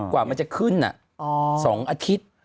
กว่ามันจะขึ้น๒อาทิตย์